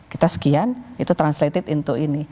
kita sekian itu translated untuk ini